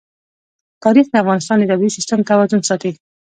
تاریخ د افغانستان د طبعي سیسټم توازن ساتي.